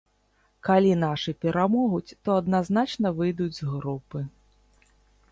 Калі нашы перамогуць, то адназначна выйдуць з групы.